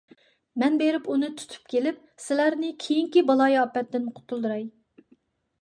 مەن بېرىپ ئۇنى تۇتۇپ كېلىپ، سىلەرنى كېيىنكى بالايىئاپەتتىن قۇتۇلدۇراي.